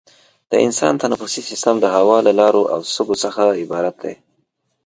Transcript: د انسان تنفسي سیستم د هوا له لارو او سږو څخه عبارت دی.